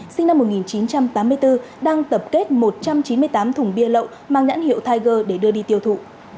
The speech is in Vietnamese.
sinh năm một nghìn chín trăm tám mươi bốn đang tập kết một trăm chín mươi tám thùng bia lậu mang nhãn hiệu tiger để đưa đi tiêu thụ